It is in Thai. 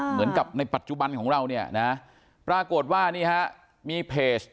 เหมือนกับในปัจจุบันของเราเนี่ยนะปรากฏว่านี่ฮะมีเพจ